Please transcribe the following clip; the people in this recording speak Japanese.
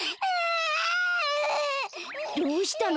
どうしたの？